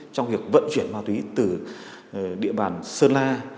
trong việc vận chuyển ma túy từ địa bàn sơn la